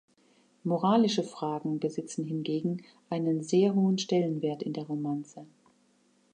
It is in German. Moralische Fragen besitzen hingegen einen sehr hohen Stellenwert in der Romanze.